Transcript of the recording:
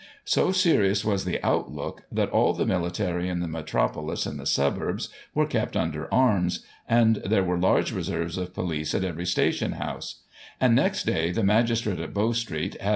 So serious was the outlook, that all the military in the Metro polis and the suburbs were kept under arms, and there were large reserves of police at every Station House ; and, next day, the magistrate, at Bow Street, had.